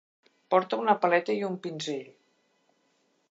Porta una paleta i un pinzell.